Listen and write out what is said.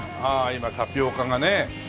今タピオカがね。